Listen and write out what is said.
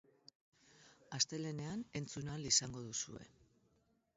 Astelehenean entzun ahal izango duzue.